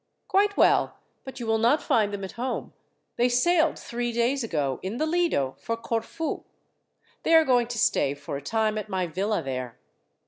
"Quite well; but you will not find them at home they sailed three days ago, in the Lido, for Corfu. They are going to stay for a time at my villa there.